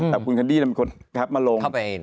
แต่คุณแคนดี้เป็นคนแคปมาลง